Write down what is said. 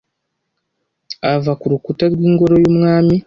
ava ku rukuta rw’ingoro y’umwami